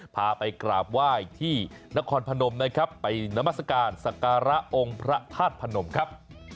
พาไปกราบไหว้ที่นครพนมนะครับไปนามัศกาลสการะองค์พระธาตุพนมครับ